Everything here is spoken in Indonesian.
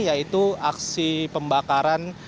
yaitu aksi pembakaran